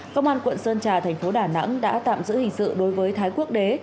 công an quận sơn trà thành phố đà nẵng đã tạm giữ hình sự đối với thái quốc đế